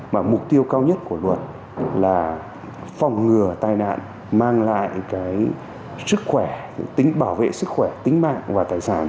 mà mục tiêu cao nhất của luật là phòng ngừa tai nạn mang lại cái sức khỏe tính bảo vệ sức khỏe tính mạng và tài sản